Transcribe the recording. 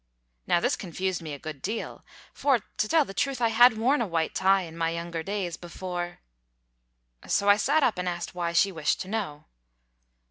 Now this confused me a good deal; for, to tell the truth, I had worn a white tie in my younger days, before. .. So I sat up and asked why she wished to know.